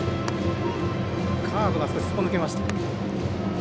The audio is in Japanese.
カーブが少しすっぽ抜けました。